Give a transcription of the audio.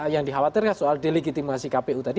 yang dikhawatirkan soal delegitimasi kpu tadi